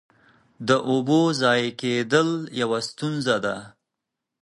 د اوبو ضایع کېدل یوه ستونزه ده.